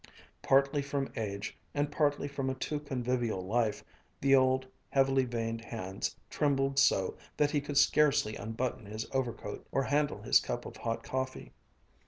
Partly from age, and partly from a too convivial life, the old, heavily veined hands trembled so that he could scarcely unbutton his overcoat, or handle his cup of hot coffee.